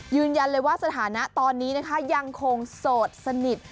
ยืนยันเลยว่าสถานะตอนนี้นะคะยังคงโสดสนิท